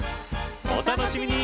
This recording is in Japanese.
お楽しみに！